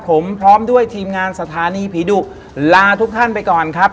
ผมพร้อมด้วยทีมงานสถานีผีดุลาทุกท่านไปก่อนครับ